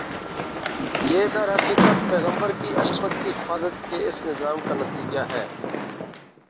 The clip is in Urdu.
یہ درحقیقت پیغمبر کی عصمت کی حفاظت کے اس نظام کا نتیجہ ہے